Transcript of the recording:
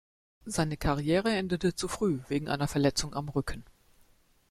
Seine Karriere endete zu früh wegen einer Verletzung am Rücken.